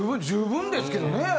十分ですけどね。